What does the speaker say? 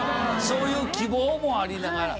そういう希望もありながら。